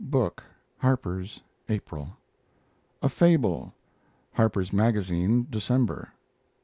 book (Harpers), April. A FABLE Harper's Magazine December.